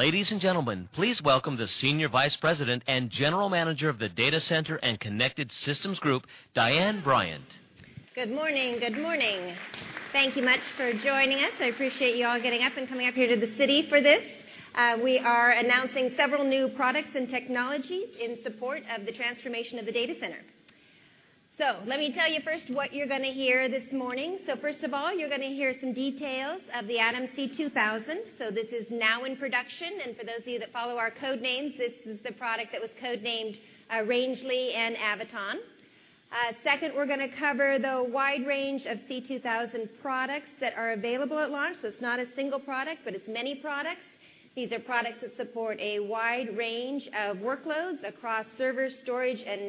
Ladies and gentlemen, please welcome the Senior Vice President and General Manager of the Data Center and Connected Systems Group, Diane Bryant. Good morning. Good morning. Thank you much for joining us. I appreciate you all getting up and coming up here to the city for this. We are announcing several new products and technologies in support of the transformation of the data center. Let me tell you first what you're going to hear this morning. First of all, you're going to hear some details of the Atom C2000. This is now in production, and for those of you that follow our code names, this is the product that was code-named Rangeley and Avoton. Second, we're going to cover the wide range of C2000 products that are available at launch. It's not a single product, but it's many products. These are products that support a wide range of workloads across server, storage, and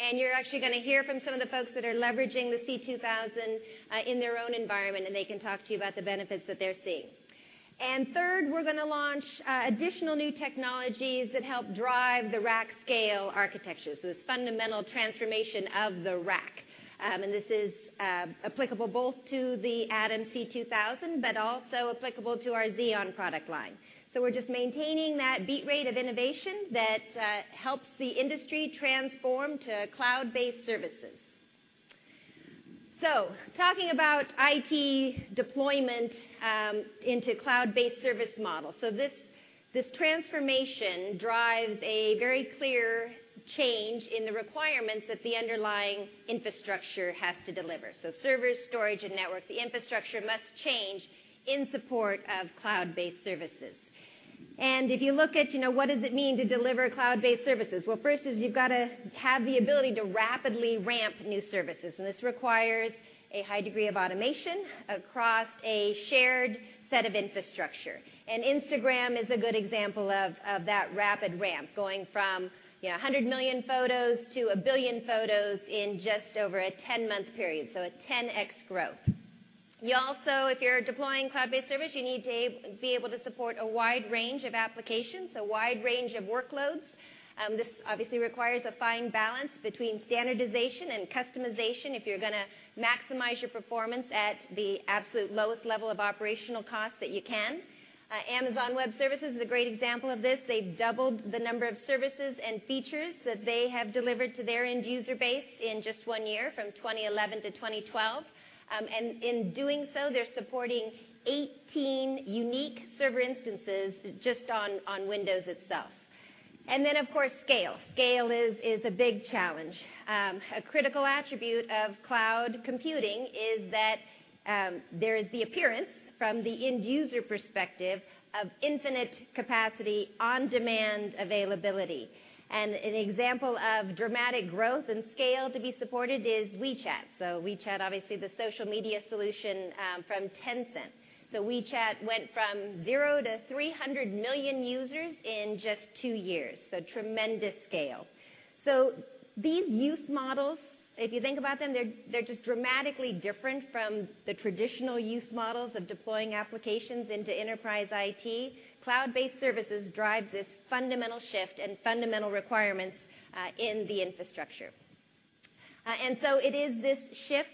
network. You're actually going to hear from some of the folks that are leveraging the C2000 in their own environment, and they can talk to you about the benefits that they're seeing. Third, we're going to launch additional new technologies that help drive the Rack Scale Architecture. This fundamental transformation of the rack. This is applicable both to the Atom C2000, but also applicable to our Xeon product line. We're just maintaining that beat rate of innovation that helps the industry transform to cloud-based services. Talking about IT deployment into cloud-based service model. This transformation drives a very clear change in the requirements that the underlying infrastructure has to deliver. Server, storage, and network, the infrastructure must change in support of cloud-based services. If you look at what does it mean to deliver cloud-based services? First is you've got to have the ability to rapidly ramp new services, and this requires a high degree of automation across a shared set of infrastructure. Instagram is a good example of that rapid ramp, going from 100 million photos to 1 billion photos in just over a 10-month period, so a 10X growth. You also, if you're deploying cloud-based service, you need to be able to support a wide range of applications, a wide range of workloads. This obviously requires a fine balance between standardization and customization if you're going to maximize your performance at the absolute lowest level of operational cost that you can. Amazon Web Services is a great example of this. They've doubled the number of services and features that they have delivered to their end user base in just one year, from 2011 to 2012. In doing so, they're supporting 18 unique server instances just on Windows itself. Of course, scale. Scale is a big challenge. An example of dramatic growth and scale to be supported is WeChat. WeChat, obviously, the social media solution from Tencent. WeChat went from 0 to 300 million users in just two years, so tremendous scale. These use models, if you think about them, they're just dramatically different from the traditional use models of deploying applications into enterprise IT. Cloud-based services drive this fundamental shift and fundamental requirements in the infrastructure. It is this shift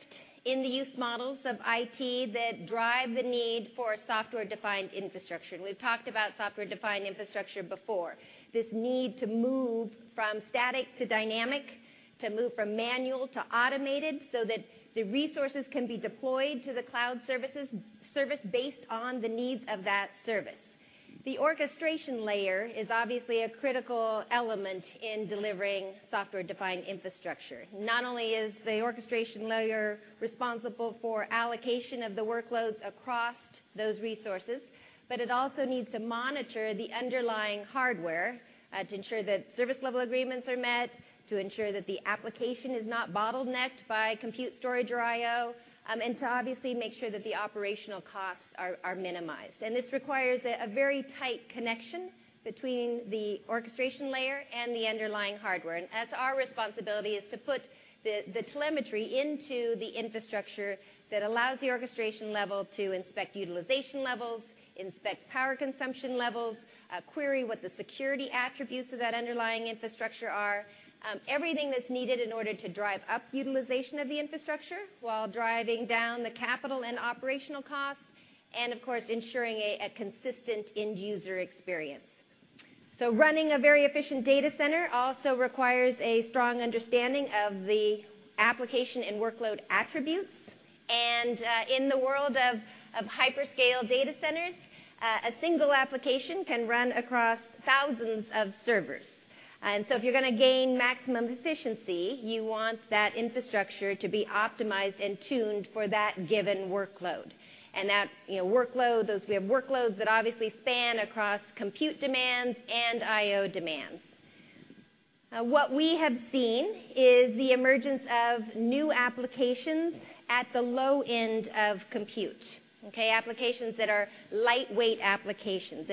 in the use models of IT that drive the need for software-defined infrastructure, and we've talked about software-defined infrastructure before. This need to move from static to dynamic, to move from manual to automated, so that the resources can be deployed to the cloud service based on the needs of that service. The orchestration layer is obviously a critical element in delivering software-defined infrastructure. Not only is the orchestration layer responsible for allocation of the workloads across those resources, but it also needs to monitor the underlying hardware to ensure that service level agreements are met, to ensure that the application is not bottlenecked by compute storage or IO, and to obviously make sure that the operational costs are minimized. This requires a very tight connection between the orchestration layer and the underlying hardware. That's our responsibility, is to put the telemetry into the infrastructure that allows the orchestration level to inspect utilization levels, inspect power consumption levels, query what the security attributes of that underlying infrastructure are. Everything that's needed in order to drive up utilization of the infrastructure while driving down the capital and operational costs, and of course, ensuring a consistent end user experience. Running a very efficient data center also requires a strong understanding of the application and workload attributes. In the world of hyperscale data centers, a single application can run across thousands of servers. If you're going to gain maximum efficiency, you want that infrastructure to be optimized and tuned for that given workload. Those workloads that obviously span across compute demands and IO demands. What we have seen is the emergence of new applications at the low end of compute. Okay. Applications that are lightweight applications.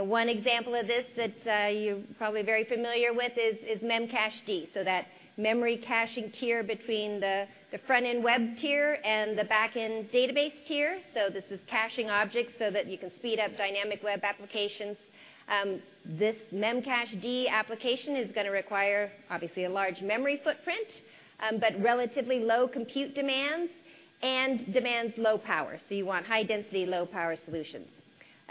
One example of this that you're probably very familiar is Memcached. That memory caching tier between the front-end web tier and the back-end database tier. This is caching objects so that you can speed up dynamic web applications. This Memcached application is going to require, obviously, a large memory footprint. Relatively low compute demands and demands low power. You want high density, low power solutions.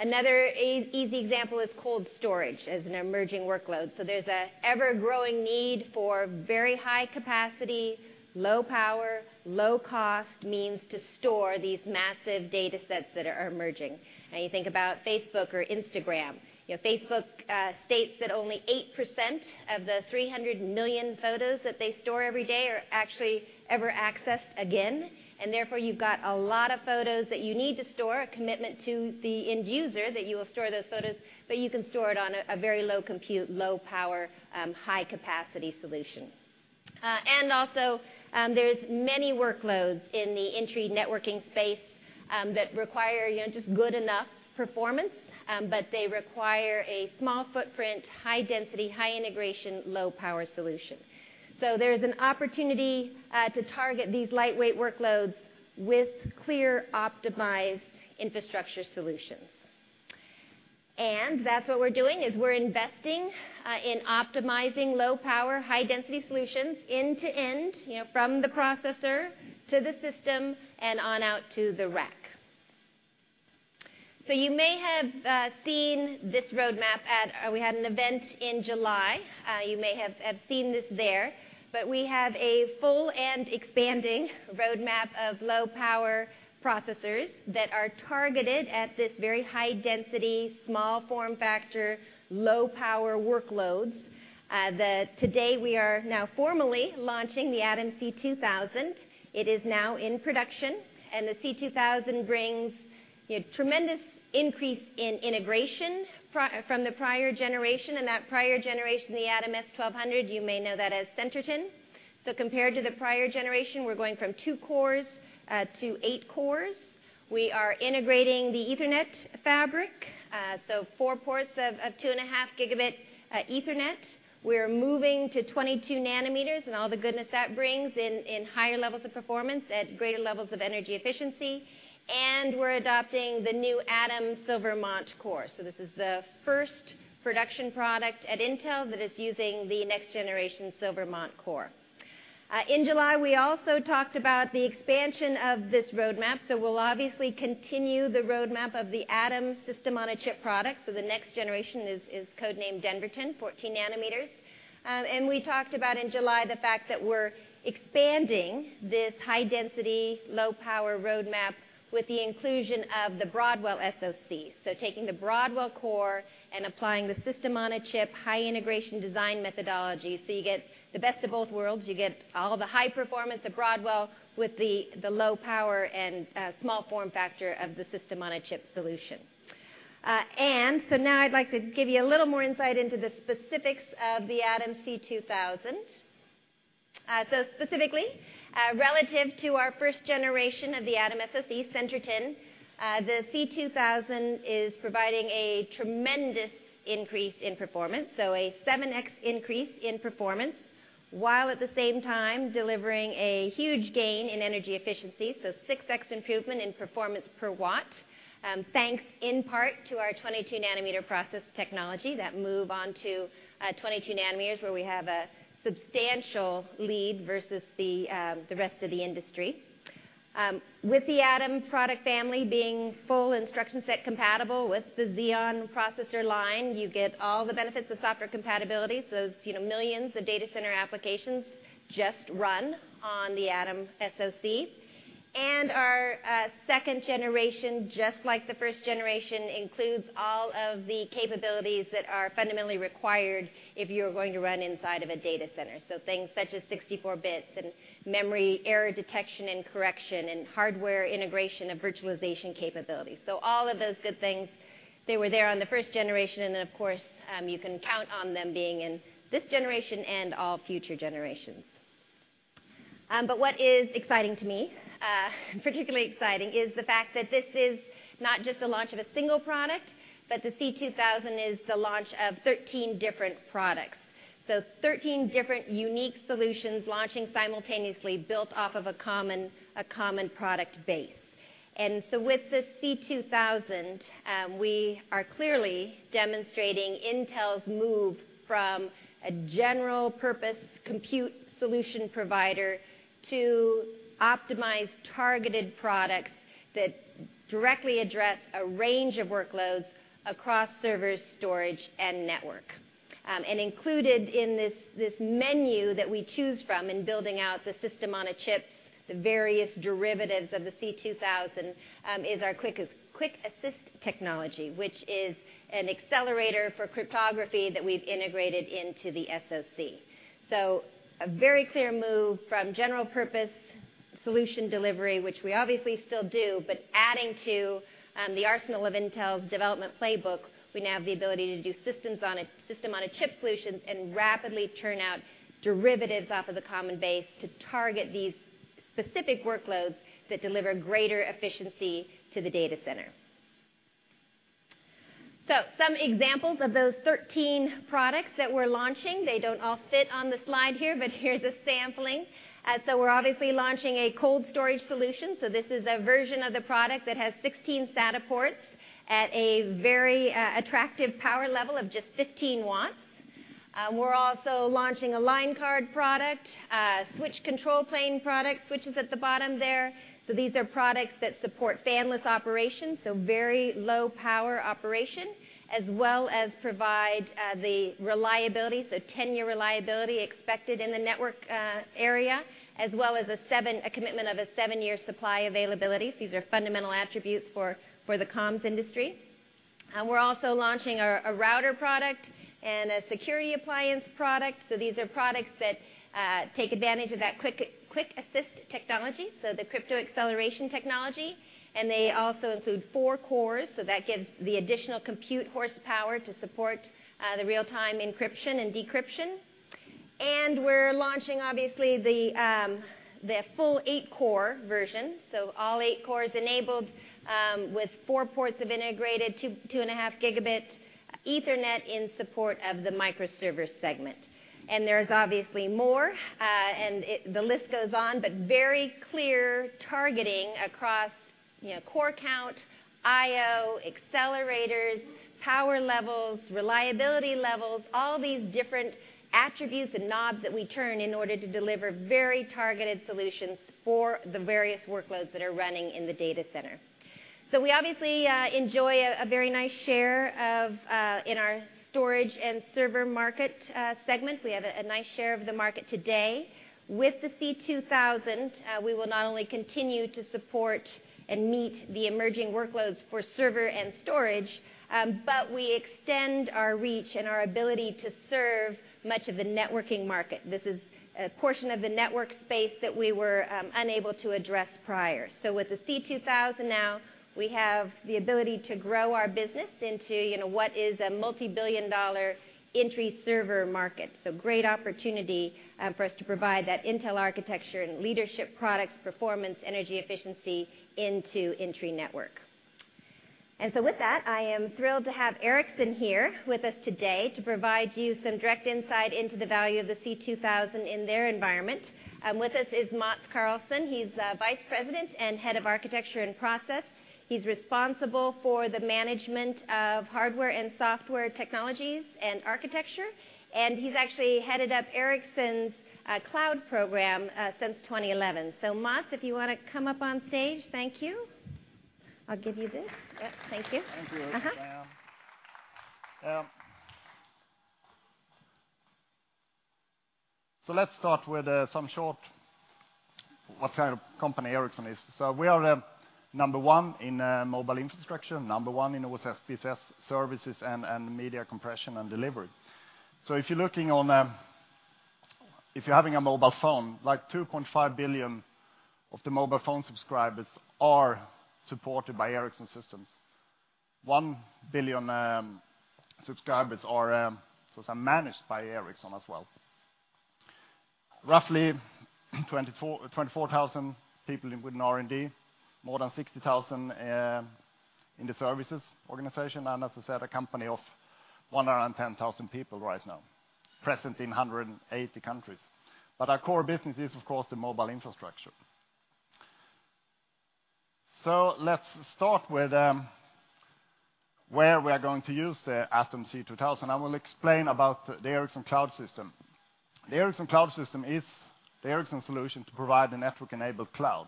Another easy example is cold storage as an emerging workload. There's a ever-growing need for very high capacity, low power, low cost means to store these massive data sets that are emerging. Now you think about Facebook or Instagram. Facebook states that only 8% of the 300 million photos that they store every day are actually ever accessed again. Therefore, you've got a lot of photos that you need to store, a commitment to the end user that you will store those photos, but you can store it on a very low compute, low power, high capacity solution. Also there's many workloads in the entry networking space that require just good enough performance. They require a small footprint, high density, high integration, low power solution. There's an opportunity to target these lightweight workloads with clear optimized infrastructure solutions. That's what we're doing, is we're investing in optimizing low power, high density solutions end to end, from the processor to the system and on out to the rack. You may have seen this roadmap at. We had an event in July, you may have seen this there, but we have a full and expanding roadmap of low power processors that are targeted at this very high density, small form factor, low power workloads. That today we are now formally launching the Atom C2000. It is now in production, and the C2000 brings tremendous increase in integration from the prior generation. That prior generation, the Atom S1200, you may know that as Centerton. Compared to the prior generation, we're going from two cores to eight cores. We are integrating the Ethernet fabric, so four ports of two and a half gigabit Ethernet. We are moving to 22 nanometers and all the goodness that brings in higher levels of performance at greater levels of energy efficiency. We're adopting the new Atom Silvermont core. This is the first production product at Intel that is using the next generation Silvermont core. In July, we also talked about the expansion of this roadmap. We'll obviously continue the roadmap of the Atom system-on-a-chip product. The next generation is codename Denverton, 14 nanometers. We talked about in July the fact that we're expanding this high density, low power roadmap with the inclusion of the Broadwell SOC. Taking the Broadwell core and applying the system-on-a-chip, high integration design methodology. You get the best of both worlds. You get all the high performance of Broadwell with the low power and small form factor of the system-on-a-chip solution. Now I'd like to give you a little more insight into the specifics of the Atom C2000. Specifically, relative to our first generation of the Atom S1200 Centerton, the C2000 is providing a tremendous increase in performance, so a 7X increase in performance, while at the same time delivering a huge gain in energy efficiency, so 6X improvement in performance per watt. Thanks in part to our 22 nanometer process technology that move on to 22 nanometers where we have a substantial lead versus the rest of the industry. With the Atom product family being full instruction set compatible with the Xeon processor line, you get all the benefits of software compatibility. Those millions of data center applications just run on the Atom SOC. Our second generation, just like the first generation, includes all of the capabilities that are fundamentally required if you're going to run inside of a data center. Things such as 64 bits and memory error detection and correction and hardware integration of virtualization capabilities. All of those good things, they were there on the first generation, then of course, you can count on them being in this generation and all future generations. What is exciting to me, particularly exciting, is the fact that this is not just the launch of a single product, but the C2000 is the launch of 13 different products. 13 different unique solutions launching simultaneously built off of a common product base. With the C2000, we are clearly demonstrating Intel's move from a general purpose compute solution provider to optimize targeted products that directly address a range of workloads across servers, storage, and network. Included in this menu that we choose from in building out the system on a chip, the various derivatives of the C2000, is our QuickAssist technology, which is an accelerator for cryptography that we've integrated into the SOC. A very clear move from general purpose solution delivery, which we obviously still do, but adding to the arsenal of Intel's development playbook, we now have the ability to do system on a chip solutions and rapidly turn out derivatives off of the common base to target these specific workloads that deliver greater efficiency to the data center. Some examples of those 13 products that we're launching, they don't all fit on the slide here, but here's a sampling. We're obviously launching a cold storage solution. This is a version of the product that has 16 SATA ports. At a very attractive power level of just 15 watts. We're also launching a line card product, switch control plane product, switches at the bottom there. These are products that support fanless operations, very low power operation, as well as provide the reliability, 10-year reliability expected in the network area, as well as a commitment of a seven-year supply availability. These are fundamental attributes for the comms industry. We're also launching a router product and a security appliance product. These are products that take advantage of that QuickAssist technology, the crypto acceleration technology, and they also include four cores. That gives the additional compute horsepower to support the real-time encryption and decryption. We're launching, obviously, the full eight-core version. All eight cores enabled with four ports of integrated two and a half gigabit Ethernet in support of the microserver segment. There's obviously more, and the list goes on, but very clear targeting across core count, IO, accelerators, power levels, reliability levels, all these different attributes and knobs that we turn in order to deliver very targeted solutions for the various workloads that are running in the data center. We obviously enjoy a very nice share in our storage and server market segment. We have a nice share of the market today. With the C2000, we will not only continue to support and meet the emerging workloads for server and storage, but we extend our reach and our ability to serve much of the networking market. This is a portion of the network space that we were unable to address prior. With the C2000 now, we have the ability to grow our business into what is a multibillion-dollar entry server market. Great opportunity for us to provide that Intel architecture and leadership products, performance, energy efficiency into entry network. With that, I am thrilled to have Ericsson here with us today to provide you some direct insight into the value of the C2000 in their environment. With us is Mats Karlsson. He's Vice President and Head of Architecture and Process. He's responsible for the management of hardware and software technologies and architecture, he's actually headed up Ericsson's Cloud program since 2011. Mats, if you want to come up on stage. Thank you. I'll give you this. Yep. Thank you. Thank you. Let's start with some short, what kind of company Ericsson is. We are number 1 in mobile infrastructure, number 1 in OSS/BSS services and media compression and delivery. If you're having a mobile phone, like 2.5 billion of the mobile phone subscribers are supported by Ericsson systems. 1 billion subscribers are managed by Ericsson as well. Roughly 24,000 people within R&D, more than 60,000 in the services organization, and as I said, a company of 110,000 people right now. Present in 180 countries. Our core business is, of course, the mobile infrastructure. Let's start with where we are going to use the Atom C2000. I will explain about the Ericsson Cloud System. The Ericsson Cloud System is the Ericsson solution to provide a network-enabled cloud.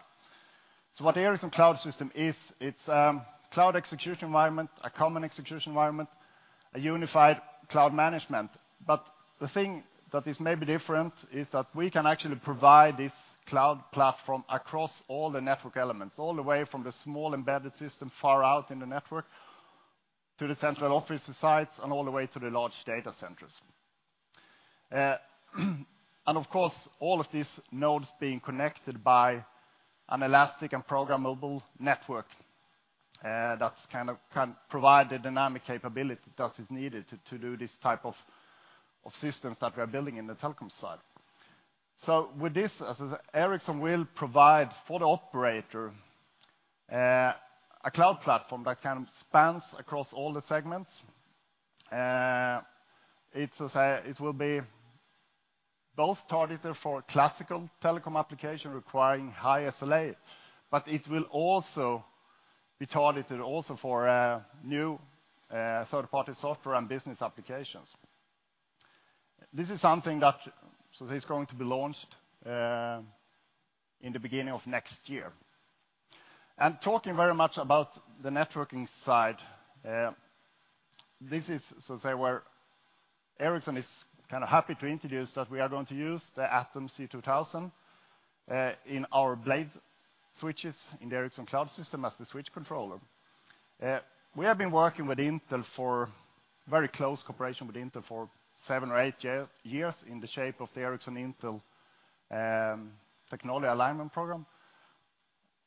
What the Ericsson Cloud System is, it's a cloud execution environment, a common execution environment, a unified cloud management. The thing that is maybe different is that we can actually provide this cloud platform across all the network elements, all the way from the small embedded system far out in the network to the central office sites and all the way to the large data centers. Of course, all of these nodes being connected by an elastic and programmable network that can provide the dynamic capability that is needed to do this type of systems that we are building in the telecom side. With this, as I said, Ericsson will provide for the operator a cloud platform that spans across all the segments. It will be both targeted for classical telecom application requiring high SLA, it will also be targeted also for new third-party software and business applications. This is something that is going to be launched in the beginning of next year. Talking very much about the networking side, this is where Ericsson is happy to introduce that we are going to use the Atom C2000 in our blade switches in the Ericsson Cloud System as the switch controller. We have been working with Intel, very close cooperation with Intel for seven or eight years in the shape of the Ericsson Intel Technology Alignment Program.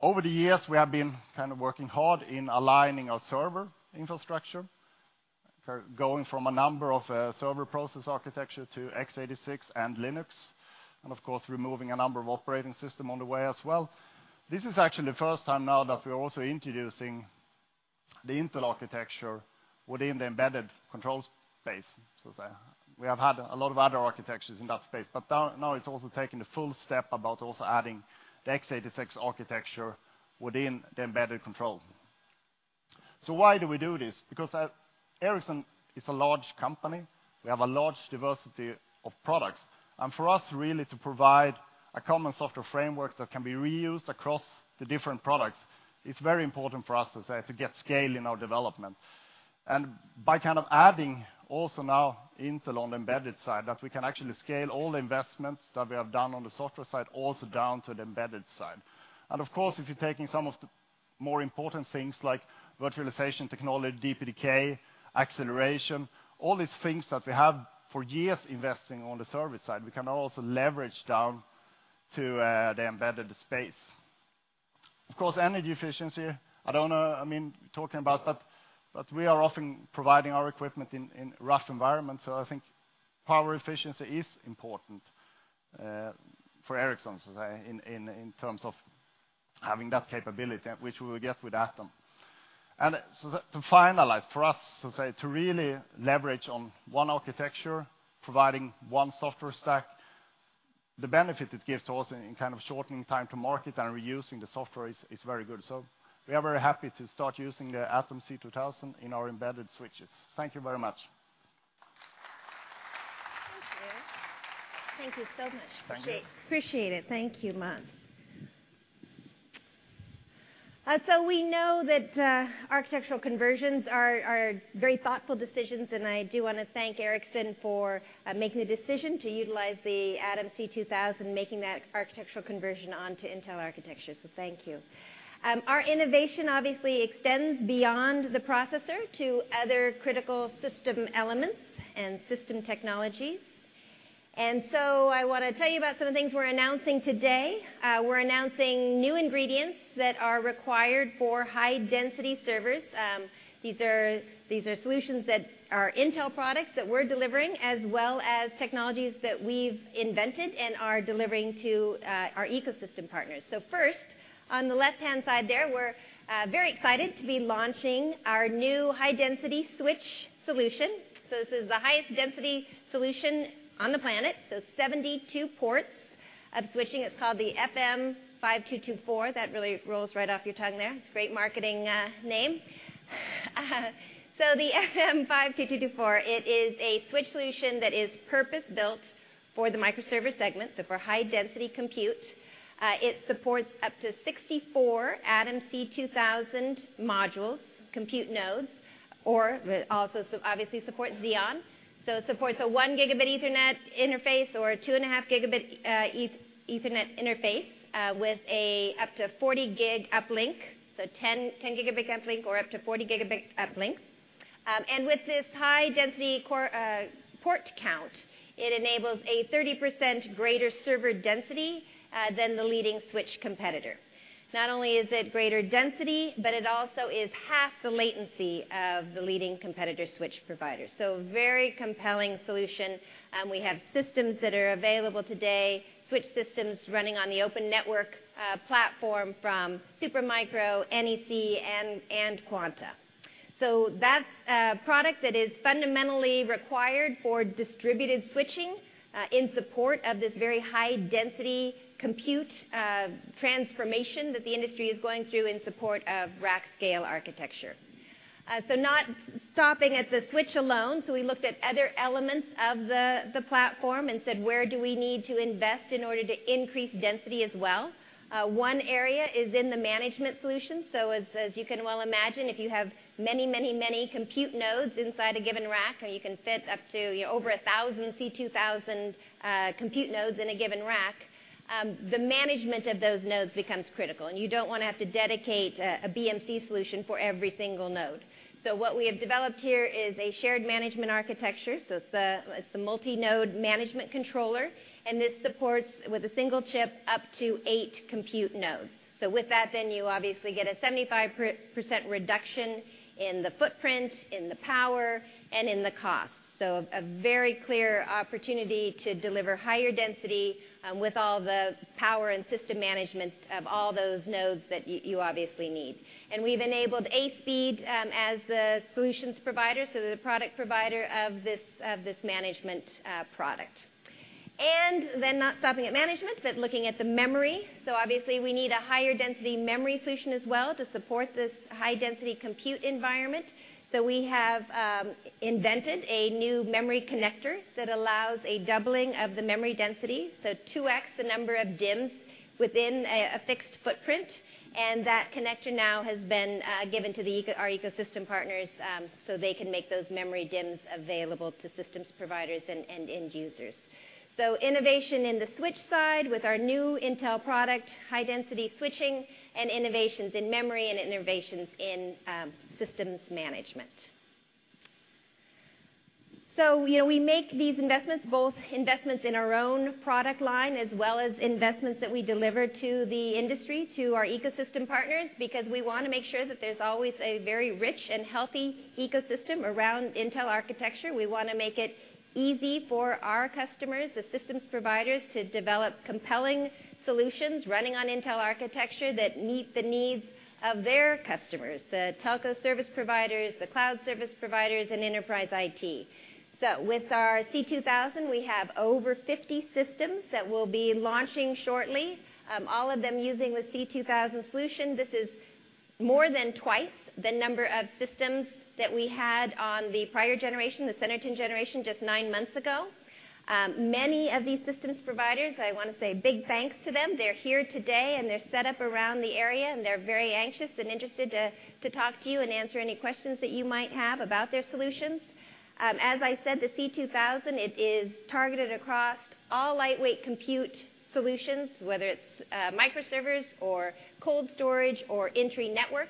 Over the years, we have been working hard in aligning our server infrastructure, going from a number of server process architecture to x86 and Linux, and of course, removing a number of operating system on the way as well. This is actually the first time now that we're also introducing the Intel architecture within the embedded controls space. We have had a lot of other architectures in that space, now it's also taking the full step about also adding the x86 architecture within the embedded control. Why do we do this? Because Ericsson is a large company. We have a large diversity of products. For us really to provide a common software framework that can be reused across the different products, it's very important for us to get scale in our development. By adding also now Intel on the embedded side, that we can actually scale all the investments that we have done on the software side also down to the embedded side. Of course, if you're taking some of the more important things like virtualization technology, DPDK, acceleration, all these things that we have for years investing on the service side, we can also leverage down to the embedded space. Of course, energy efficiency, I don't know, talking about that, but we are often providing our equipment in rough environments, so I think power efficiency is important for Ericsson, in terms of having that capability, which we will get with Atom. To finalize, for us to really leverage on one architecture, providing one software stack, the benefit it gives to us in shortening time to market and reusing the software is very good. We are very happy to start using the Atom C2000 in our embedded switches. Thank you very much. Thank you. Thank you so much. Thank you. Appreciate it. Thank you, Mats. We know that architectural conversions are very thoughtful decisions, and I do want to thank Ericsson for making the decision to utilize the Atom C2000, making that architectural conversion onto Intel architecture. Thank you. Our innovation obviously extends beyond the processor to other critical system elements and system technologies. I want to tell you about some of the things we're announcing today. We're announcing new ingredients that are required for high-density servers. These are solutions that are Intel products that we're delivering, as well as technologies that we've invented and are delivering to our ecosystem partners. First, on the left-hand side there, we're very excited to be launching our new high-density switch solution. This is the highest density solution on the planet. 72 ports of switching. It's called the FM5224. That really rolls right off your tongue there. It's a great marketing name. The FM5224, it is a switch solution that is purpose-built for the microserver segment, for high-density compute. It supports up to 64 Atom C2000 modules, compute nodes, or it also obviously supports Xeon. It supports a one gigabit Ethernet interface or 2.5 gigabit Ethernet interface with up to 40 gig uplink, 10 gigabit uplink or up to 40 gigabit uplink. With this high-density port count, it enables a 30% greater server density than the leading switch competitor. Not only is it greater density, but it also is half the latency of the leading competitor switch provider. A very compelling solution. We have systems that are available today, switch systems running on the open network platform from Supermicro, NEC, and Quanta. That's a product that is fundamentally required for distributed switching in support of this very high-density compute transformation that the industry is going through in support of Rack Scale Architecture. Not stopping at the switch alone, we looked at other elements of the platform and said, "Where do we need to invest in order to increase density as well?" One area is in the management solution. As you can well imagine, if you have many compute nodes inside a given rack, or you can fit up to over 1,000 C2000 compute nodes in a given rack, the management of those nodes becomes critical, and you don't want to have to dedicate a BMC solution for every single node. We have developed here is a shared management architecture, it's a multi-node management controller, and this supports, with a single chip, up to eight compute nodes. With that, then you obviously get a 75% reduction in the footprint, in the power, and in the cost. A very clear opportunity to deliver higher density with all the power and system management of all those nodes that you obviously need. We've enabled ASPEED as the solutions provider, the product provider of this management product. Not stopping at management, but looking at the memory. Obviously, we need a higher density memory solution as well to support this high-density compute environment. We have invented a new memory connector that allows a doubling of the memory density, 2x the number of DIMMs within a fixed footprint, and that connector now has been given to our ecosystem partners so they can make those memory DIMMs available to systems providers and end users. Innovation in the switch side with our new Intel product, high-density switching, and innovations in memory and innovations in systems management. We make these investments, both investments in our own product line as well as investments that we deliver to the industry, to our ecosystem partners, because we want to make sure that there's always a very rich and healthy ecosystem around Intel architecture. We want to make it easy for our customers, the systems providers, to develop compelling solutions running on Intel architecture that meet the needs of their customers, the telco service providers, the cloud service providers, and enterprise IT. With our C2000, we have over 50 systems that we'll be launching shortly. All of them using the C2000 solution. More than twice the number of systems that we had on the prior generation, the Centerton generation, just nine months ago. Many of these systems providers, I want to say big thanks to them. They're here today and they're set up around the area, and they're very anxious and interested to talk to you and answer any questions that you might have about their solutions. As I said, the C2000 is targeted across all lightweight compute solutions, whether it's microservers or cold storage or entry network.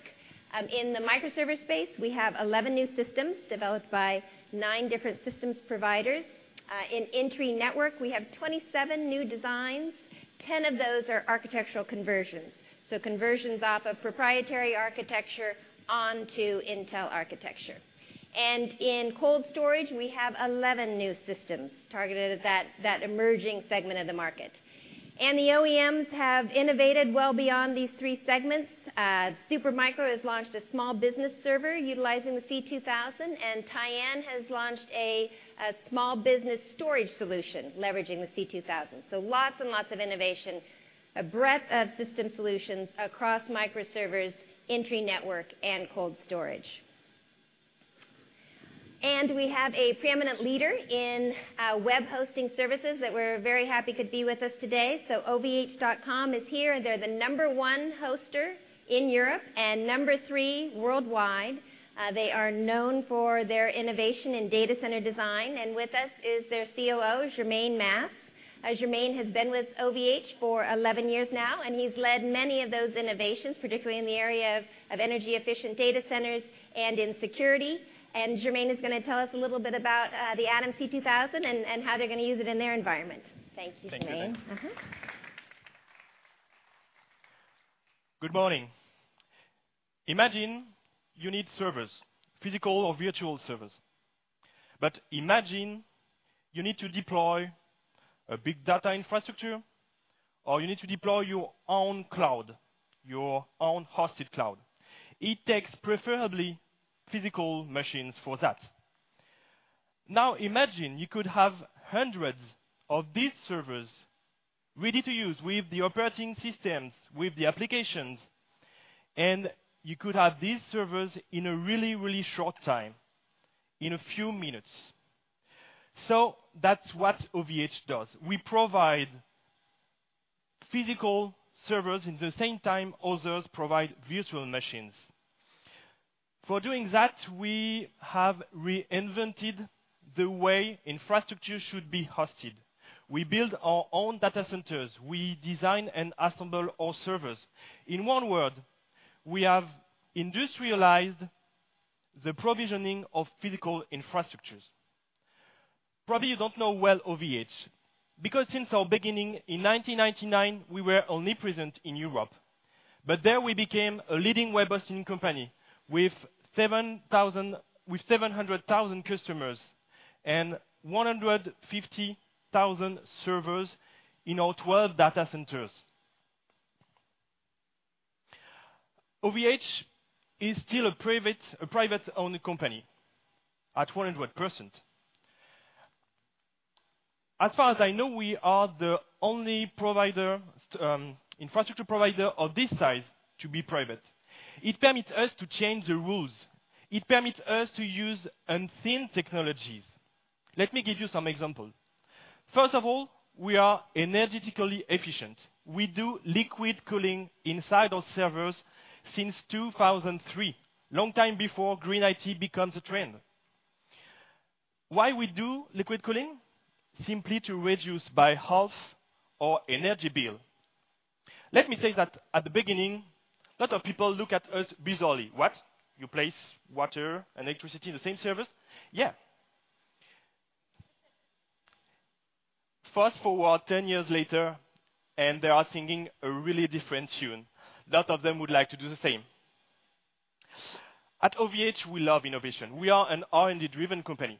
In the microserver space, we have 11 new systems developed by nine different systems providers. In entry network, we have 27 new designs. 10 of those are architectural conversions off of proprietary architecture onto Intel architecture. In cold storage, we have 11 new systems targeted at that emerging segment of the market. The OEMs have innovated well beyond these three segments. Supermicro has launched a small business server utilizing the C2000, and Tyan has launched a small business storage solution leveraging the C2000. Lots and lots of innovation, a breadth of system solutions across microservers, entry network, and cold storage. We have a preeminent leader in web hosting services that we're very happy could be with us today. ovh.com is here, and they're the number 1 hoster in Europe and number 3 worldwide. They are known for their innovation in data center design. With us is their COO, Germain Masse. Germain has been with OVH for 11 years now, and he's led many of those innovations, particularly in the area of energy-efficient data centers and in security. Germain is going to tell us a little bit about the Atom C2000 and how they're going to use it in their environment. Thank you, Germain. Thank you. Good morning. Imagine you need servers, physical or virtual servers. Imagine you need to deploy a big data infrastructure, or you need to deploy your own cloud, your own hosted cloud. It takes preferably physical machines for that. Now, imagine you could have hundreds of these servers ready to use with the operating systems, with the applications, and you could have these servers in a really short time, in a few minutes. That's what OVH does. We provide physical servers at the same time others provide virtual machines. For doing that, we have reinvented the way infrastructure should be hosted. We build our own data centers. We design and assemble all servers. In one word, we have industrialized the provisioning of physical infrastructures. Probably you don't know well OVH, because since our beginning in 1999, we were only present in Europe. There we became a leading web hosting company with 700,000 customers and 150,000 servers in our 12 data centers. OVH is still a privately-owned company at 100%. As far as I know, we are the only infrastructure provider of this size to be private. It permits us to change the rules. It permits us to use unseen technologies. Let me give you some examples. First of all, we are energetically efficient. We do liquid cooling inside our servers since 2003, a long time before green IT became a trend. Why we do liquid cooling? Simply to reduce by half our energy bill. Let me say that at the beginning, a lot of people looked at us bizarrely. "What? You place water and electricity in the same server?" Yeah. Fast-forward 10 years later, and they are singing a really different tune. A lot of them would like to do the same. At OVH, we love innovation. We are an R&D-driven company,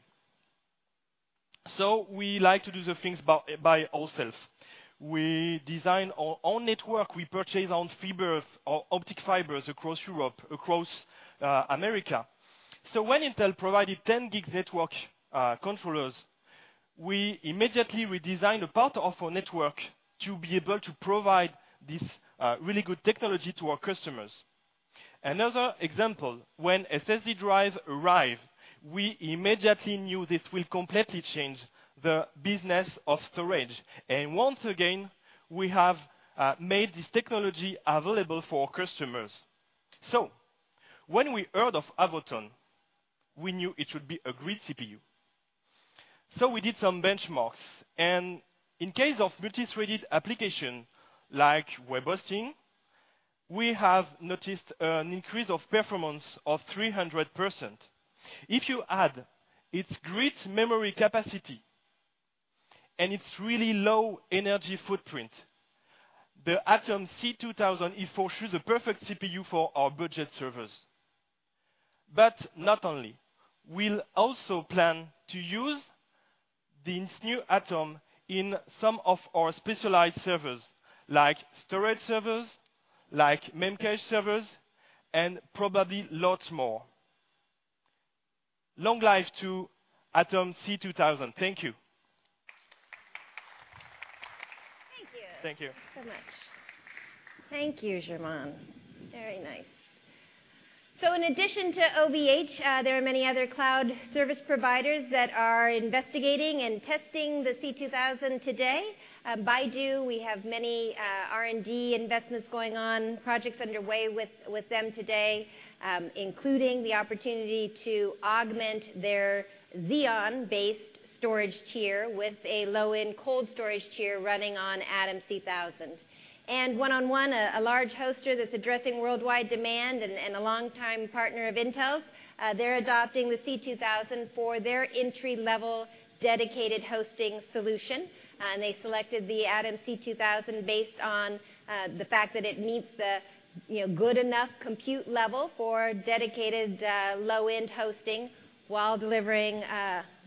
we like to do things by ourselves. We design our own network. We purchase our own fibers, our optic fibers across Europe, across America. When Intel provided 10-gig network controllers, we immediately redesigned a part of our network to be able to provide this really good technology to our customers. Another example, when SSD drives arrived, we immediately knew this will completely change the business of storage. Once again, we have made this technology available for our customers. When we heard of Avoton, we knew it would be a great CPU. We did some benchmarks, and in case of multithreaded application like web hosting, we have noticed an increase of performance of 300%. If you add its great memory capacity and its really low energy footprint, the Atom C2000 is for sure the perfect CPU for our budget servers. Not only, we'll also plan to use this new Atom in some of our specialized servers like storage servers, like Memcached servers, and probably lots more. Long life to Atom C2000. Thank you. Thank you. Thank you so much. Thank you, Germain. Very nice. In addition to OVH, there are many other cloud service providers that are investigating and testing the C2000 today. Baidu, we have many R&D investments going on, projects underway with them today, including the opportunity to augment their Xeon-based storage tier with a low-end cold storage tier running on Atom C2000. 1&1, a large hoster that's addressing worldwide demand and a longtime partner of Intel's, they're adopting the C2000 for their entry-level dedicated hosting solution. They selected the Atom C2000 based on the fact that it meets the good enough compute level for dedicated low-end hosting while delivering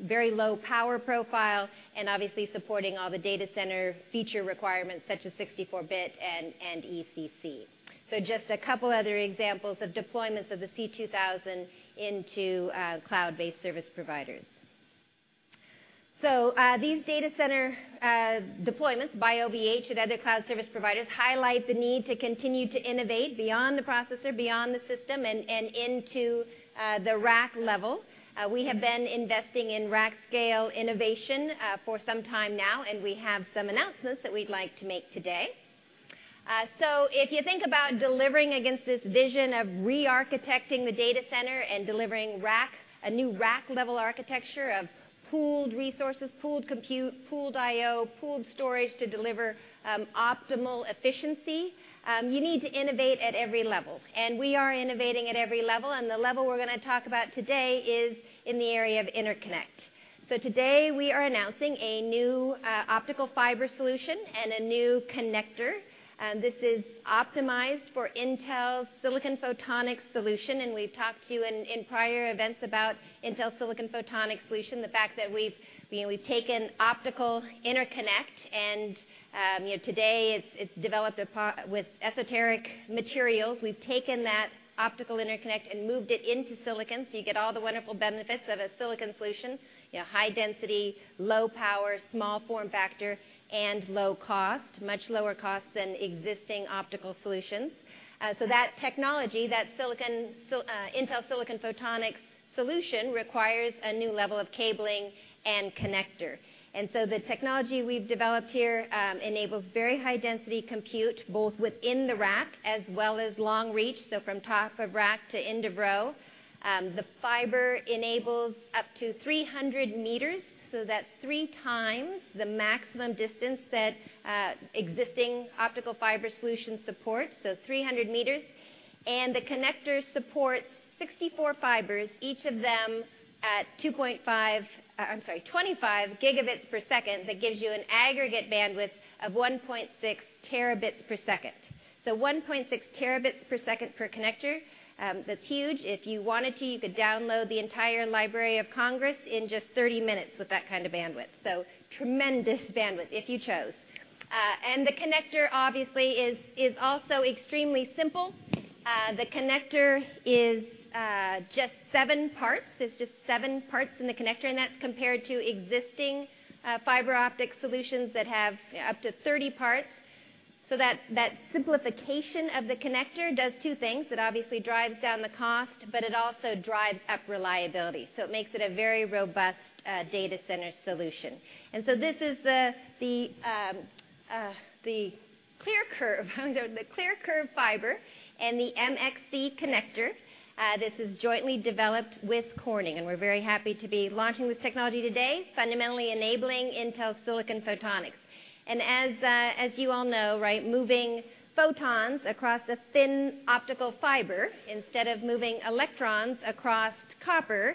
very low power profile and obviously supporting all the data center feature requirements such as 64-bit and ECC. Just a couple other examples of deployments of the C2000 into cloud-based service providers. These data center deployments by OVH and other cloud service providers highlight the need to continue to innovate beyond the processor, beyond the system, and into the rack level. We have been investing in rack scale innovation for some time now, and we have some announcements that we'd like to make today. If you think about delivering against this vision of re-architecting the data center and delivering a new rack level architecture of pooled resources, pooled compute, pooled IO, pooled storage to deliver optimal efficiency, you need to innovate at every level. We are innovating at every level, and the level we're going to talk about today is in the area of interconnect. Today, we are announcing a new optical fiber solution and a new connector. This is optimized for Intel's silicon photonics solution. We've talked to you in prior events about Intel's silicon photonics solution, the fact that we've taken optical interconnect and today it's developed with esoteric materials. We've taken that optical interconnect and moved it into silicon, so you get all the wonderful benefits of a silicon solution, high density, low power, small form factor, and low cost, much lower cost than existing optical solutions. That technology, that Intel silicon photonics solution, requires a new level of cabling and connector. The technology we've developed here enables very high density compute, both within the rack as well as long reach, so from top of rack to end of row. The fiber enables up to 300 meters, so that's three times the maximum distance that existing optical fiber solutions support, so 300 meters. The connector supports 64 fibers, each of them at 25 gigabits per second. That gives you an aggregate bandwidth of 1.6 terabits per second. 1.6 terabits per second per connector. That's huge. If you wanted to, you could download the entire Library of Congress in just 30 minutes with that kind of bandwidth, so tremendous bandwidth if you chose. The connector obviously is also extremely simple. The connector is just seven parts. There's just seven parts in the connector, and that's compared to existing fiber optic solutions that have up to 30 parts. That simplification of the connector does two things. It obviously drives down the cost, but it also drives up reliability. It makes it a very robust data center solution. This is the ClearCurve fiber and the MXC connector. This is jointly developed with Corning. We're very happy to be launching this technology today, fundamentally enabling Intel silicon photonics. As you all know, right, moving photons across a thin optical fiber instead of moving electrons across copper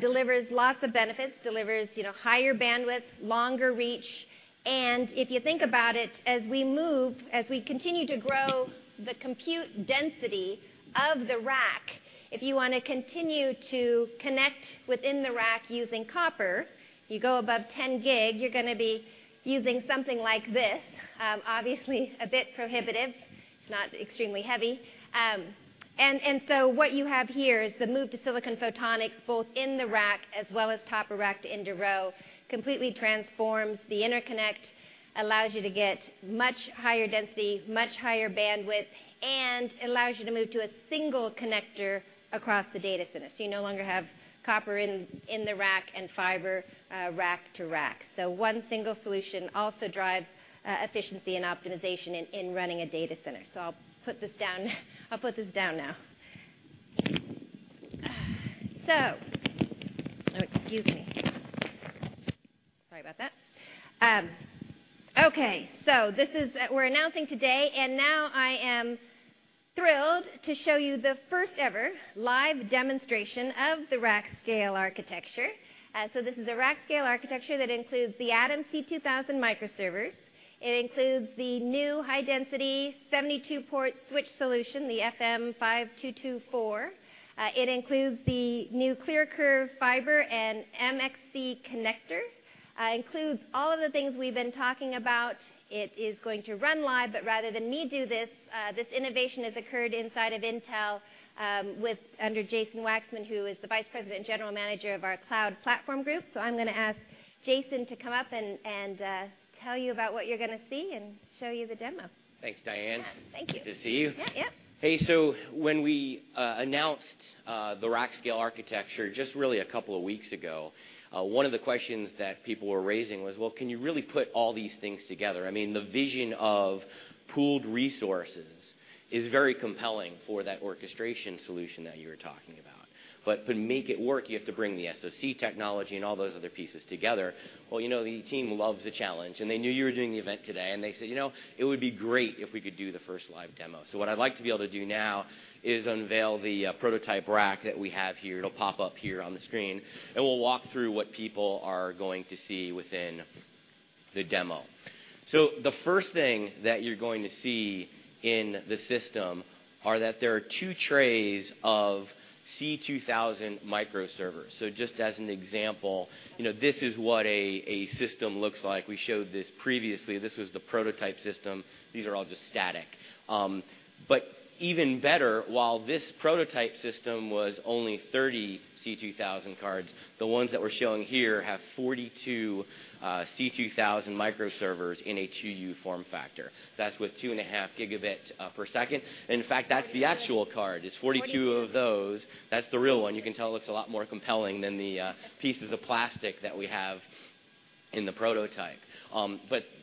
delivers lots of benefits, delivers higher bandwidth, longer reach. If you think about it, as we move, as we continue to grow the compute density of the rack, if you want to continue to connect within the rack using copper, you go above 10G, you're going to be using something like this. Obviously a bit prohibitive. It's not extremely heavy. What you have here is the move to silicon photonics, both in the rack as well as top of rack to end of row, completely transforms the interconnect, allows you to get much higher density, much higher bandwidth, and allows you to move to a single connector across the data center. You no longer have copper in the rack and fiber rack to rack. One single solution also drives efficiency and optimization in running a data center. I'll put this down now. Oh, excuse me. Sorry about that. Okay. We're announcing today. Now I am thrilled to show you the first ever live demonstration of the Rack Scale Architecture. This is a Rack Scale Architecture that includes the Atom C2000 microservers. It includes the new high-density 72-port switch solution, the FM5224. It includes the new ClearCurve fiber and MXC connector. Includes all of the things we've been talking about. It is going to run live. Rather than me do this innovation has occurred inside of Intel under Jason Waxman, who is the Vice President and General Manager of our Cloud Platform Group. I'm going to ask Jason to come up and tell you about what you're going to see and show you the demo. Thanks, Diane. Thank you. Good to see you. Yeah. Hey, when we announced the Rack Scale Architecture just really a couple of weeks ago, one of the questions that people were raising was, can you really put all these things together? The vision of pooled resources is very compelling for that orchestration solution that you were talking about. To make it work, you have to bring the SoC technology and all those other pieces together. The team loves a challenge, and they knew you were doing the event today. They said, "You know, it would be great if we could do the first live demo." What I'd like to be able to do now is unveil the prototype rack that we have here. It'll pop up here on the screen. We'll walk through what people are going to see within the demo. The first thing that you're going to see in the system are that there are two trays of C2000 microservers. Just as an example, this is what a system looks like. We showed this previously. This was the prototype system. These are all just static. Even better, while this prototype system was only 30 C2000 cards, the ones that we're showing here have 42 C2000 microservers in a 2U form factor. That's with 2.5 gigabit per second. In fact, that's the actual card. It's 42 of those. That's the real one. You can tell it looks a lot more compelling than the pieces of plastic that we have in the prototype.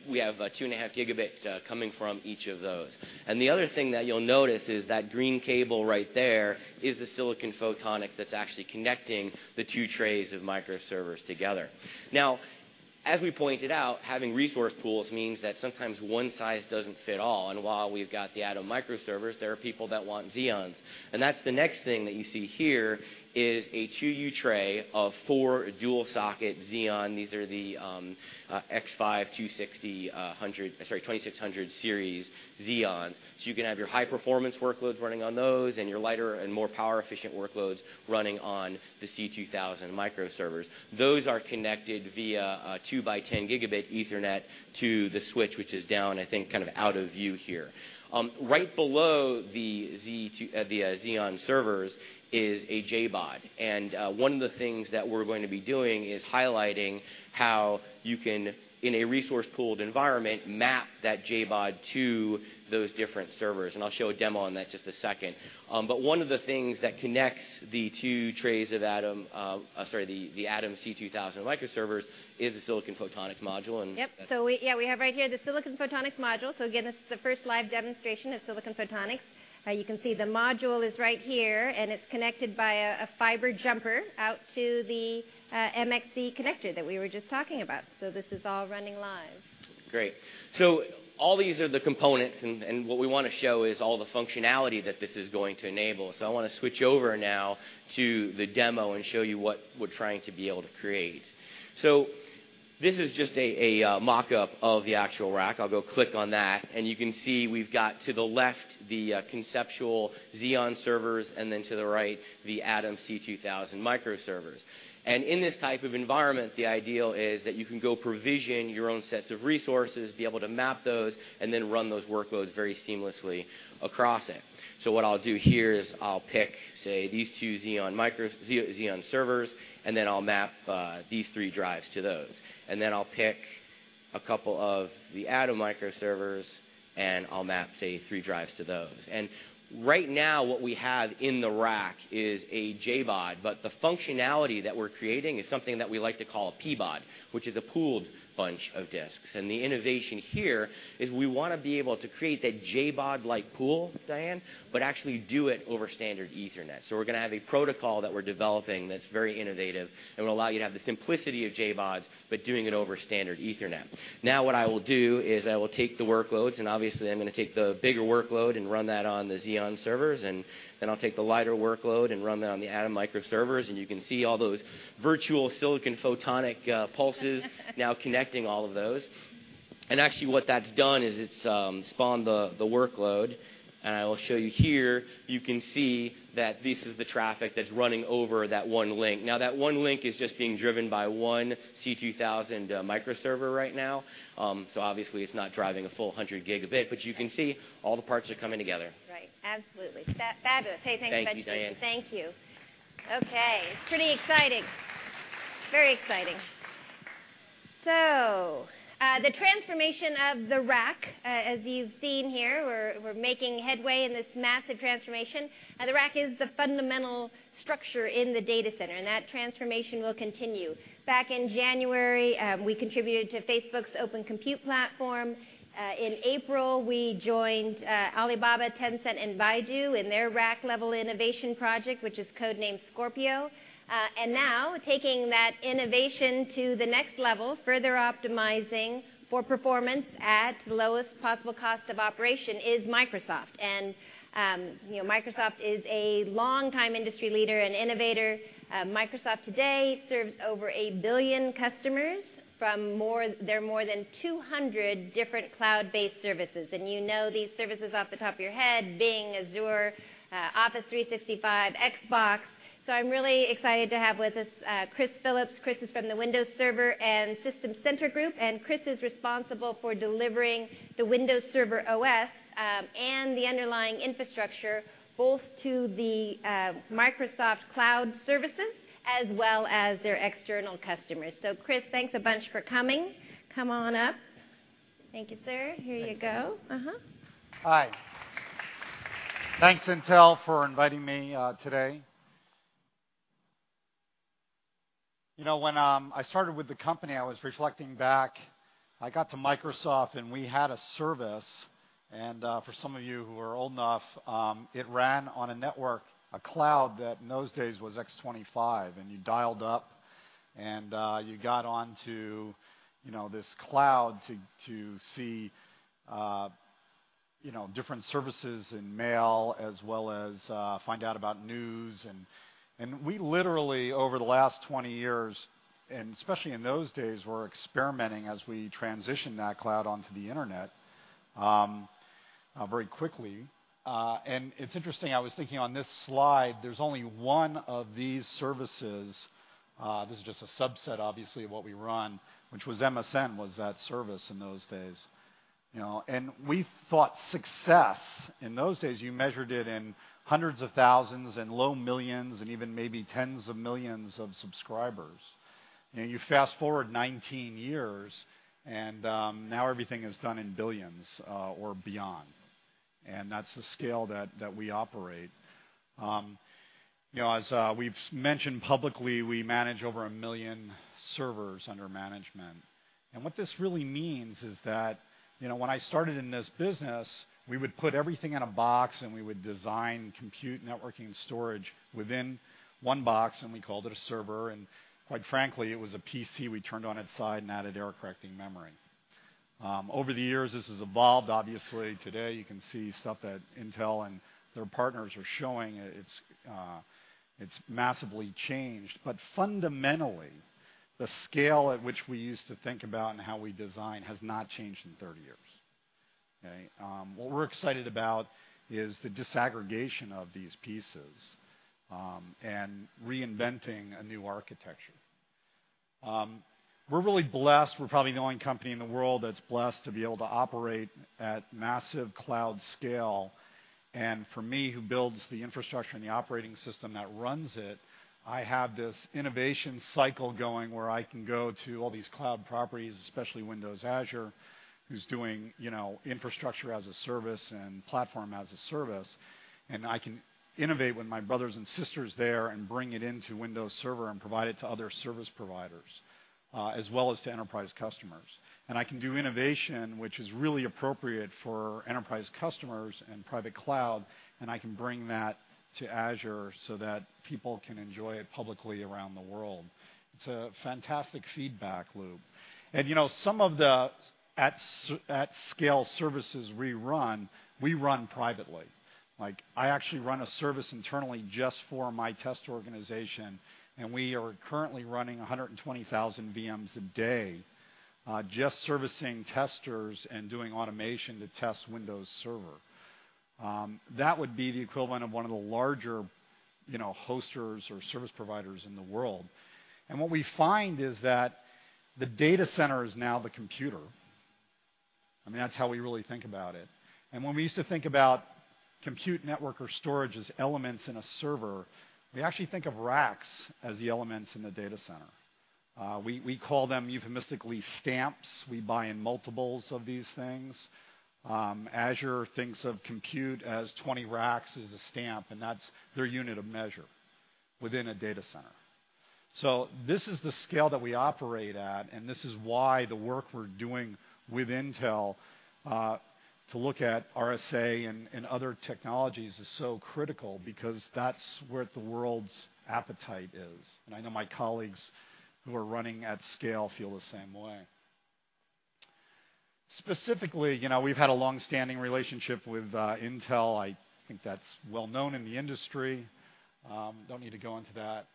We have 2.5 gigabit coming from each of those. The other thing that you'll notice is that green cable right there is the silicon photonics that's actually connecting the two trays of microservers together. As we pointed out, having resource pools means that sometimes one size doesn't fit all, and while we've got the Atom microservers, there are people that want Xeon. That's the next thing that you see here, is a 2U tray of four dual socket Xeon. These are the 2600 series Xeon. You can have your high performance workloads running on those and your lighter and more power efficient workloads running on the C2000 microservers. Those are connected via a 2 by 10 gigabit Ethernet to the switch, which is down, I think, out of view here. Right below the Xeon servers is a JBOD. One of the things that we're going to be doing is highlighting how you can, in a resource pooled environment, map that JBOD to those different servers. I'll show a demo on that just a second. One of the things that connects the two trays of Atom C2000 microservers is a silicon photonics module. We have right here the silicon photonics module. Again, this is the first live demonstration of silicon photonics. You can see the module is right here, and it's connected by a fiber jumper out to the MXC connector that we were just talking about. This is all running live. Great. All these are the components, and what we want to show is all the functionality that this is going to enable. I want to switch over now to the demo and show you what we're trying to be able to create. This is just a mock-up of the actual rack. I'll go click on that. You can see we've got, to the left, the conceptual Xeon servers, and then to the right, the Atom C2000 microservers. In this type of environment, the ideal is that you can go provision your own sets of resources, be able to map those, and then run those workloads very seamlessly across it. What I'll do here is I'll pick, say, these two Xeon servers, and then I'll map these three drives to those. I'll pick a couple of the Atom microservers, and I'll map, say, three drives to those. Right now, what we have in the rack is a JBOD, but the functionality that we're creating is something that we like to call a PBOD, which is a pooled bunch of disks. The innovation here is we want to be able to create that JBOD-like pool, Diane, but actually do it over standard ethernet. We're going to have a protocol that we're developing that's very innovative and will allow you to have the simplicity of JBODs, but doing it over standard ethernet. Now what I will do is I will take the workloads, and obviously I'm going to take the bigger workload and run that on the Xeon servers. I'll take the lighter workload and run that on the Atom microservers. You can see all those virtual silicon photonic pulses now connecting all of those. Actually what that's done is it's spawned the workload. I will show you here, you can see that this is the traffic that's running over that one link. Now that one link is just being driven by one C2000 microserver right now. Obviously it's not driving a full 100 gigabit, but you can see all the parts are coming together. Right. Absolutely. Fabulous. Thank you much, Jason. Thank you, Diane. Thank you. Okay. Pretty exciting. Very exciting. The transformation of the rack, as you've seen here, we're making headway in this massive transformation. The rack is the fundamental structure in the data center, and that transformation will continue. Back in January, we contributed to Facebook's Open Compute Project. In April, we joined Alibaba, Tencent, and Baidu in their rack-level innovation project, which is codenamed Scorpio. Now, taking that innovation to the next level, further optimizing for performance at the lowest possible cost of operation is Microsoft. Microsoft is a long time industry leader and innovator. Microsoft today serves over 1 billion customers from their more than 200 different cloud-based services. You know these services off the top of your head, Bing, Azure, Office 365, Xbox. I'm really excited to have with us Chris Phillips. Chris is from the Windows Server and System Center group, and Chris is responsible for delivering the Windows Server OS- the underlying infrastructure, both to the Microsoft Cloud services as well as their external customers. Chris, thanks a bunch for coming. Come on up. Thank you, sir. Here you go. Uh-huh. Hi. Thanks Intel for inviting me today. When I started with the company, I was reflecting back. I got to Microsoft and we had a service, and for some of you who are old enough, it ran on a network, a cloud that in those days was X.25, and you dialed up and you got onto this cloud to see different services and mail as well as find out about news. We literally, over the last 20 years, and especially in those days, were experimenting as we transitioned that cloud onto the internet very quickly. It's interesting, I was thinking on this slide, there's only one of these services, this is just a subset, obviously, of what we run, which was MSN, was that service in those days. We thought success in those days, you measured it in hundreds of thousands and low millions and even maybe tens of millions of subscribers. You fast-forward 19 years and now everything is done in billions or beyond, and that's the scale that we operate. As we've mentioned publicly, we manage over a million servers under management. What this really means is that when I started in this business, we would put everything in a box and we would design, compute, networking, storage within one box, and we called it a server, and quite frankly, it was a PC we turned on its side and added error-correcting memory. Over the years, this has evolved. Obviously, today you can see stuff that Intel and their partners are showing. It's massively changed. Fundamentally, the scale at which we used to think about and how we design has not changed in 30 years, okay? What we're excited about is the disaggregation of these pieces and reinventing a new architecture. We're really blessed. We're probably the only company in the world that's blessed to be able to operate at massive cloud scale, and for me, who builds the infrastructure and the operating system that runs it, I have this innovation cycle going where I can go to all these cloud properties, especially Windows Azure, who's doing infrastructure as a service and platform as a service. I can innovate with my brothers and sisters there and bring it into Windows Server and provide it to other service providers, as well as to enterprise customers. I can do innovation, which is really appropriate for enterprise customers and private cloud, and I can bring that to Azure so that people can enjoy it publicly around the world. It's a fantastic feedback loop. Some of the at-scale services we run, we run privately. I actually run a service internally just for my test organization, and we are currently running 120,000 VMs a day just servicing testers and doing automation to test Windows Server. That would be the equivalent of one of the larger hosters or service providers in the world. What we find is that the data center is now the computer. That's how we really think about it. When we used to think about compute network or storage as elements in a server, we actually think of racks as the elements in the data center. We call them euphemistically stamps. We buy in multiples of these things. Azure thinks of compute as 20 racks as a stamp, and that's their unit of measure within a data center. This is the scale that we operate at, and this is why the work we're doing with Intel to look at RSA and other technologies is so critical because that's where the world's appetite is. I know my colleagues who are running at scale feel the same way. Specifically, we've had a long-standing relationship with Intel. I think that's well known in the industry. Don't need to go into that.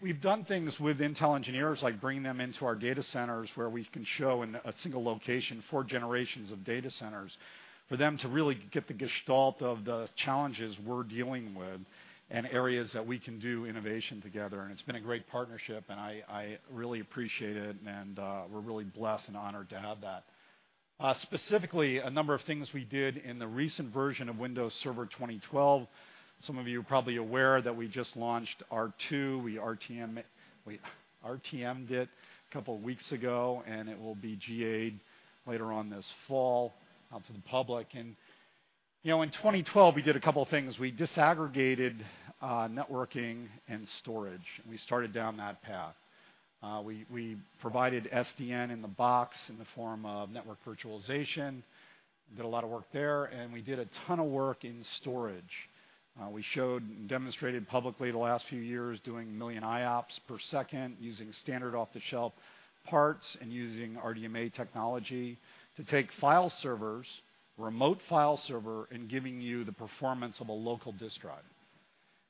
We've done things with Intel engineers, like bring them into our data centers where we can show in a single location four generations of data centers for them to really get the gestalt of the challenges we're dealing with and areas that we can do innovation together. It's been a great partnership, and I really appreciate it, and we're really blessed and honored to have that. Specifically, a number of things we did in the recent version of Windows Server 2012. Some of you are probably aware that we just launched R2. We RTM'd it a couple of weeks ago, and it will be GA'd later on this fall out to the public. In 2012, we did a couple of things. We disaggregated networking and storage, and we started down that path. We provided SDN in the box in the form of network virtualization. We did a lot of work there, and we did a ton of work in storage. We showed and demonstrated publicly the last few years doing a million IOPS per second using standard off-the-shelf parts and using RDMA technology to take file servers, remote file server, and giving you the performance of a local disk drive.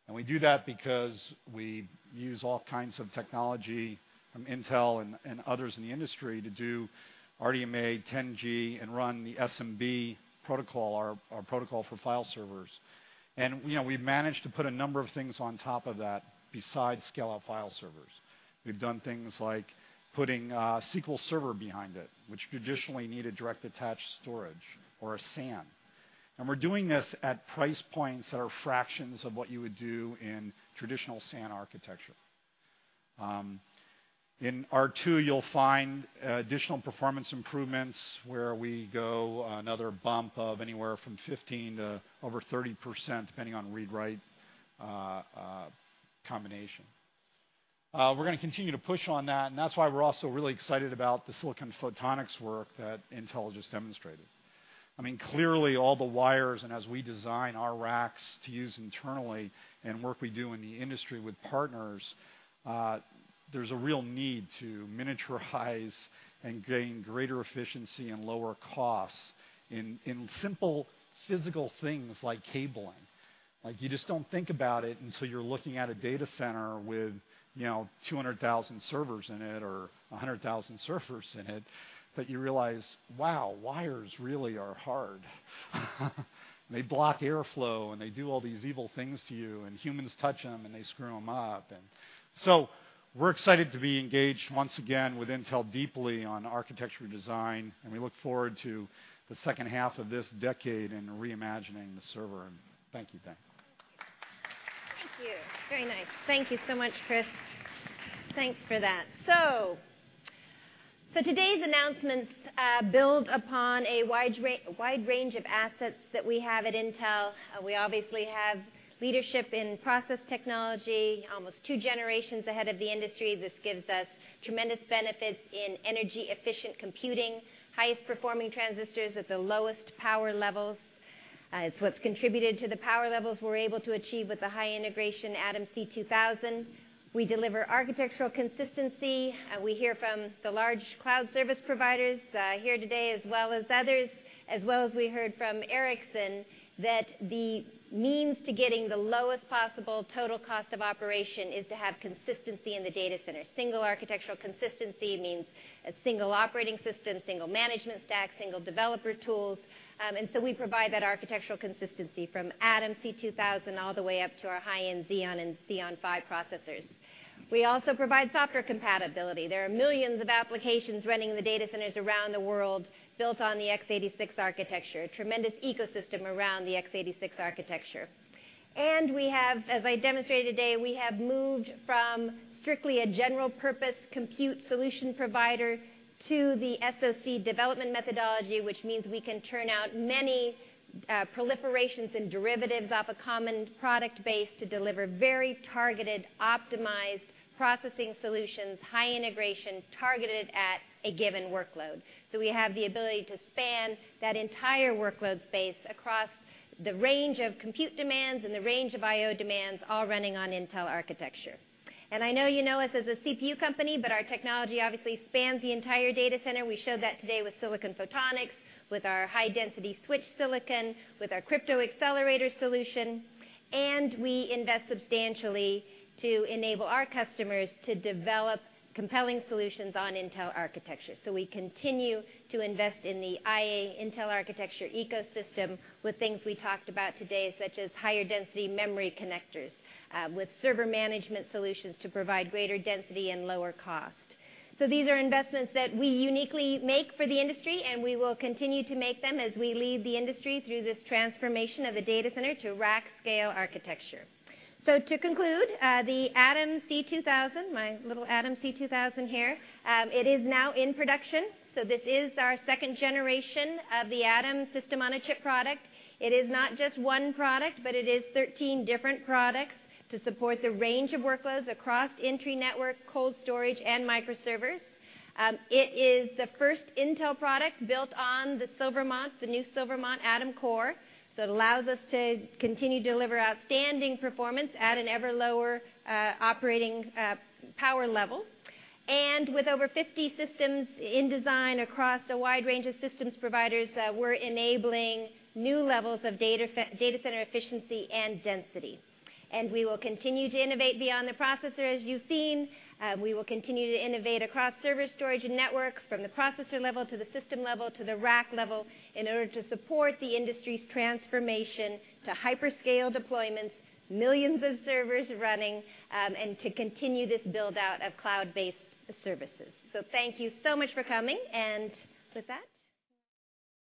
We do that because we use all kinds of technology from Intel and others in the industry to do RDMA 10G and run the SMB protocol, our protocol for file servers. We've managed to put a number of things on top of that besides scale-out file servers. We've done things like putting a SQL Server behind it, which traditionally needed direct attached storage or a SAN. We're doing this at price points that are fractions of what you would do in traditional SAN architecture. In R2, you'll find additional performance improvements where we go another bump of anywhere from 15%-30%, depending on read/write combination. We're going to continue to push on that, and that's why we're also really excited about the silicon photonics work that Intel just demonstrated. Clearly, all the wires, and as we design our racks to use internally and work we do in the industry with partners, there's a real need to miniaturize and gain greater efficiency and lower costs in simple physical things like cabling. You just don't think about it until you're looking at a data center with 200,000 servers in it or 100,000 servers in it, but you realize, wow, wires really are hard. They block airflow, and they do all these evil things to you, and humans touch them, and they screw them up. We're excited to be engaged once again with Intel deeply on architecture design, and we look forward to the second half of this decade and reimagining the server. Thank you, Diane. Thank you. Very nice. Thank you so much, Chris. Thanks for that. Today's announcements build upon a wide range of assets that we have at Intel. We obviously have leadership in process technology, almost two generations ahead of the industry. This gives us tremendous benefits in energy-efficient computing, highest-performing transistors at the lowest power levels. It's what's contributed to the power levels we're able to achieve with the high integration Atom C2000. We deliver architectural consistency. We hear from the large cloud service providers here today as well as others, as well as we heard from Ericsson that the means to getting the lowest possible total cost of operation is to have consistency in the data center. Single architectural consistency means a single operating system, single management stack, single developer tools. We provide that architectural consistency from Atom C2000 all the way up to our high-end Xeon and Xeon Phi processors. We also provide software compatibility. There are millions of applications running in the data centers around the world built on the x86 architecture, a tremendous ecosystem around the x86 architecture. We have, as I demonstrated today, we have moved from strictly a general purpose compute solution provider to the SoC development methodology, which means we can turn out many proliferations and derivatives off a common product base to deliver very targeted, optimized processing solutions, high integration targeted at a given workload. We have the ability to span that entire workload space across the range of compute demands and the range of IO demands all running on Intel architecture. I know you know us as a CPU company, but our technology obviously spans the entire data center. We showed that today with silicon photonics, with our high-density switch silicon, with our crypto accelerator solution, and we invest substantially to enable our customers to develop compelling solutions on Intel architecture. We continue to invest in the IA, Intel Architecture, ecosystem with things we talked about today, such as higher density memory connectors with server management solutions to provide greater density and lower cost. These are investments that we uniquely make for the industry, and we will continue to make them as we lead the industry through this transformation of the data center to Rack Scale Architecture. To conclude, the Atom C2000, my little Atom C2000 here, it is now in production. This is our second generation of the Atom system on a chip product. It is not just one product, but it is 13 different products to support the range of workloads across entry network, cold storage, and microservers. It is the first Intel product built on the Silvermont, the new Silvermont Atom core. It allows us to continue to deliver outstanding performance at an ever lower operating power level. With over 50 systems in design across a wide range of systems providers, we're enabling new levels of data center efficiency and density. We will continue to innovate beyond the processor, as you've seen. We will continue to innovate across server storage and networks from the processor level to the system level to the rack level in order to support the industry's transformation to hyperscale deployments, millions of servers running, and to continue this build-out of cloud-based services. Thank you so much for coming.